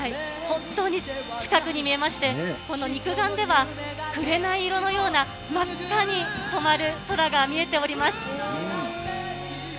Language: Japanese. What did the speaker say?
本当に近くに見えまして、この肉眼ではくれない色のような真っ赤に染まる空が見えております。